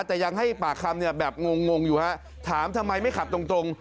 แต่ยังให้ปากคำเนี่ยแบบงงงอยู่ฮะถามทำไมไม่ขับตรงตรง